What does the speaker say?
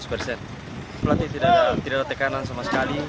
pelatih tidak ada tekanan sama sekali